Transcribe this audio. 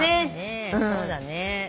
そうだね。